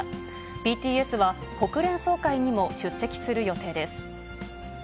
ＢＴＳは国連総会にも出席する予定です。